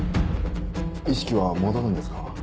意識は戻るんですか？